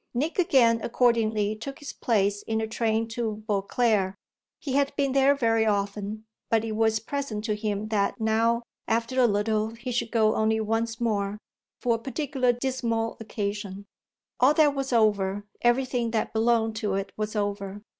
Nick again accordingly took his place in the train to Beauclere. He had been there very often, but it was present to him that now, after a little, he should go only once more for a particular dismal occasion. All that was over, everything that belonged to it was over.